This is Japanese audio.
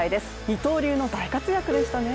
二刀流の大活躍でしたね。